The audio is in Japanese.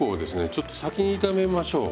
ちょっと先に炒めましょう。